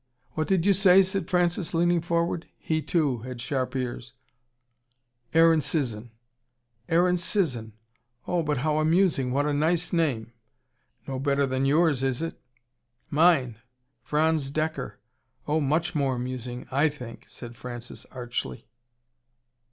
What did you say?" said Francis, leaning forward. He, too, had sharp ears. "Aaron Sisson." "Aaron Sisson! Oh, but how amusing! What a nice name!" "No better than yours, is it?" "Mine! Franz Dekker! Oh, much more amusing, I think," said Francis archly.